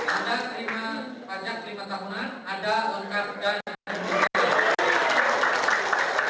ada pajak lima tahunan ada ongkar dan mengumpulkan